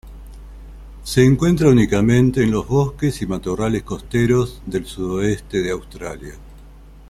Se encuentra únicamente en los bosques y matorrales costeros del sudoeste de Australia.